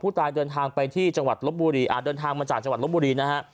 ตายเดินทางไปที่จังหวัดลบบุรีอ่าเดินทางมาจากจังหวัดลบบุรีนะฮะ